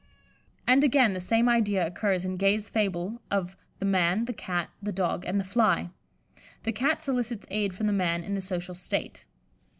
And, again, the same idea occurs in Gay's fable of the "Man, the Cat, the Dog, and the Fly." The Cat solicits aid from the Man in the social state.